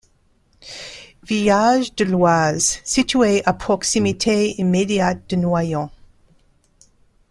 Village de l'Oise, situé à proximité immédiate de Noyon.